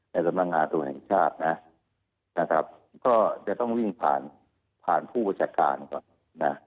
ในตำรงงานตัวแห่งชาตินะครับก็จะต้องวิ่งผ่านผู้ประชาการก่อน